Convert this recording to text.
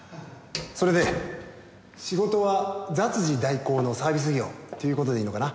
それで仕事は雑事代行のサービス業という事でいいのかな？